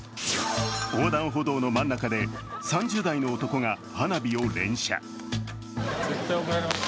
横断歩道の真ん中で３０代の男が花火を連射。